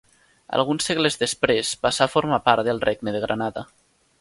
Alguns segles després, passà a formar part del regne de Granada.